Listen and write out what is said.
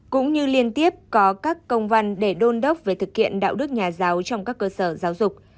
cũng như liên tiếp có các công văn để đôn đốc về thực hiện đạo đức nhà giáo trong các cơ sở giáo dục